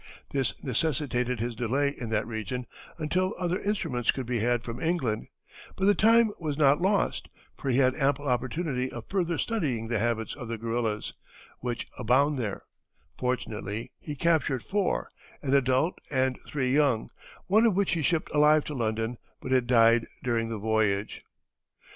This necessitated his delay in that region until other instruments could be had from England; but the time was not lost, for he had ample opportunity of further studying the habits of the gorillas, which abound there; fortunately he captured four, an adult and three young, one of which he shipped alive to London, but it died during the voyage.